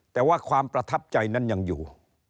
แต่ว่าความประทับใจนั้นยังอยู่